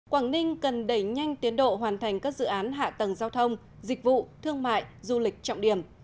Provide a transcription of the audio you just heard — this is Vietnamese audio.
quảng ninh cần đẩy nhanh tiến độ hoàn thành các dự án hạ tầng giao thông dịch vụ thương mại du lịch trọng điểm